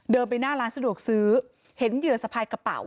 ไปหน้าร้านสะดวกซื้อเห็นเหยื่อสะพายกระเป๋า